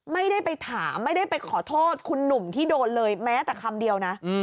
ไม่ได้ไปถามไม่ได้ไปขอโทษคุณหนุ่มที่โดนเลยแม้แต่คำเดียวนะ